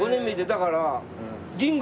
だから。